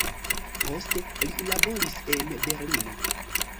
Poste li laboris en Berlino.